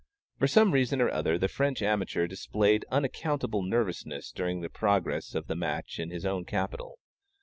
For some reason or other, the French amateur displayed unaccountable nervousness during the progress of the match in his own capital.